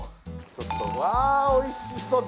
ちょっとわあ美味しそう！